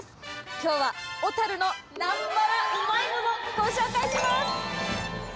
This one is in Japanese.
きょうは小樽のなんまらうまいもの、ご紹介します。